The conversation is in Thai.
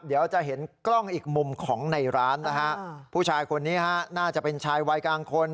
เดี๋ยวจะเห็นกล้องอีกมุมของในร้านนะฮะผู้ชายคนนี้ฮะน่าจะเป็นชายวัยกลางคน